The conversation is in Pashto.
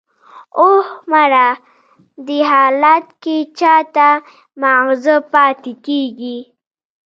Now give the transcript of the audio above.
"اوه، مړه! دې حالت کې چا ته ماغزه پاتې کېږي!"